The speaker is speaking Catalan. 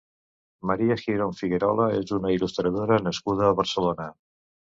Maria Girón Figuerola és una il·lustradora nascuda a Barcelona.